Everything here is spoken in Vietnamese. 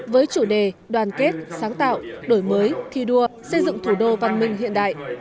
với chủ đề đoàn kết sáng tạo đổi mới thi đua xây dựng thủ đô văn minh hiện đại